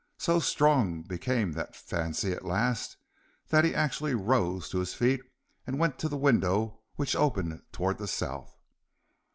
So strong became that fancy at last, that he actually rose to his feet and went to the window which opened towards the south.